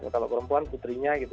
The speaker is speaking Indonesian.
kalau perempuan putrinya gitu